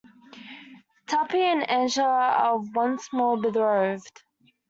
Tuppy and Angela are once more betrothed.